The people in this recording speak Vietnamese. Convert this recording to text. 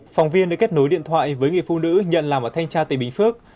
phòng viên đã kết nối điện thoại với người phụ nữ nhận làm ở thanh tra tỉnh bình phước